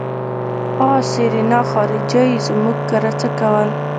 آ سېرېنا خارجۍ زموږ کره څه کول.